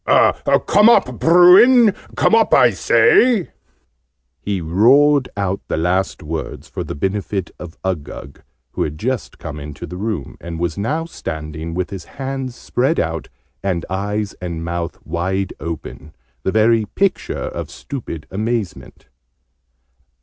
Come up, Bruin! Come up, I say!" {Image...'Come up, bruin!'} He roared out the last words for the benefit of Uggug, who had just come into the room, and was now standing, with his hands spread out, and eyes and mouth wide open, the very picture of stupid amazement.